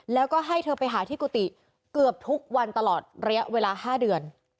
แล้วก็ให้เธอไปหาที่กุฏิเกือบทุกวันตลอดระยะเวลา๕เดือน